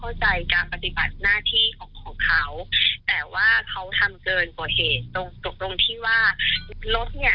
อาจจะเป็นการเข้าใจผิด